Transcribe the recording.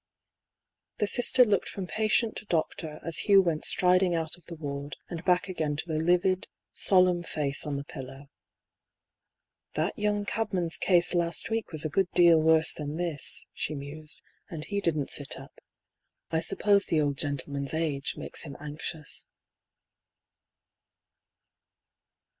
The Sister looked from patient to doctor, as Hugh went striding out of the ward, and back again to the livid, solemn face on the pillow. "That young cabman's case last week was a good deal worse than this," she mused, "and he didn't sit up. I suppose the old gentleman's age makes him anxious."